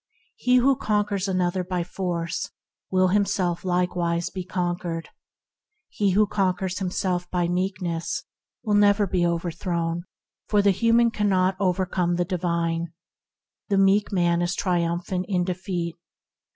He that conquers another by force will himself likewise be conquered; he that conquers himself by Meekness shall never be overthrown, the human cannot overcome the divine. The meek man is triumphant in defeat.